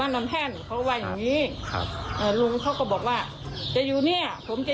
พี่ผู้ต้องหาเขาว่าอย่างนี้แหละ